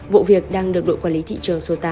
vụ việc đang được đội quản lý thị trường số tám